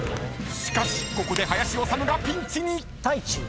［しかしここで林修がピンチに！］